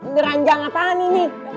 ngeranjang apaan ini